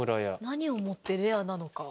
何をもってレアなのか。